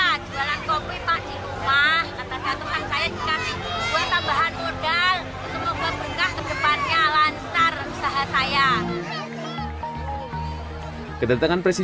kata kata yang saya juga buat tambahan modal semoga berkah ke depannya lansar usaha saya